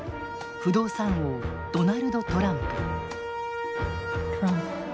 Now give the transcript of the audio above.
不動産王ドナルド・トランプ。